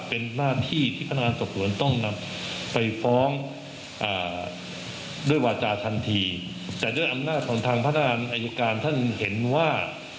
ไปฟ้องอ่าด้วยวาจาทันทีแต่ด้วยอำนาจของทางพระนานอัยการท่านเห็นว่า